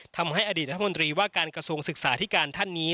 ทำให้อดีตรัฐมนตรีว่าการกระทรวงศึกษาที่การท่านนี้